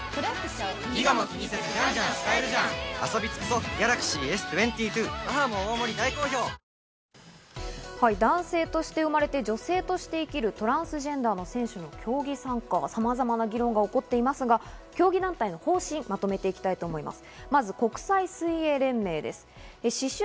トランスジェンダーの選手の男性として生まれて、女性として生きるトランスジェンダーの選手の競技参加、さまざまな議論が起こっていますが、競技団体の方針をまとめていきたいと思います。